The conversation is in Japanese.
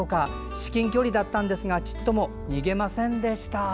至近距離だったんですがちっとも逃げませんでした。